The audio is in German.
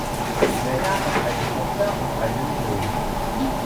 Weller hat eine Tochter und einen Sohn.